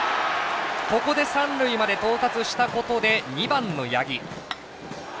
ここで三塁まで到達したことで２番の八木。